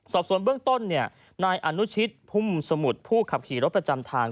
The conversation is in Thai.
สอบส่วนเบื้องต้นนายอนุชิตพุ่มสมุทรผู้ขับขี่รถประจำทาง